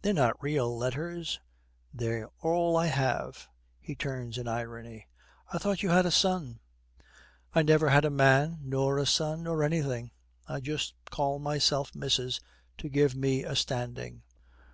'They're not real letters.' 'They're all I have.' He returns to irony. 'I thought you had a son?' 'I never had a man nor a son nor anything. I just call myself Missis to give me a standing.'